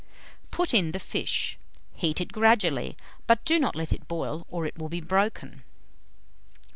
Put in the fish; heat it gradually; but do not let it boil, or it will be broken.